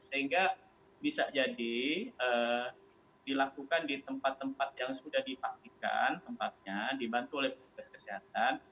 sehingga bisa jadi dilakukan di tempat tempat yang sudah dipastikan tempatnya dibantu oleh petugas kesehatan